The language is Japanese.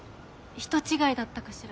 人違いだったかしら？